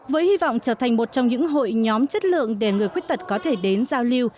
với hy vọng trở thành một trong những hội nhóm chất lượng để người khuyết tật có thể đến giao lưu